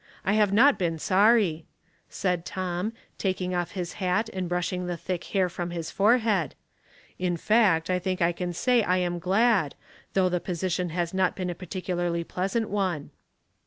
I have not been sorry," said Tom, taking off his hat and brushing the thick hair from his forehead. " In fact, I think I can say I am glad, though the position has not been a particularly pleasant one."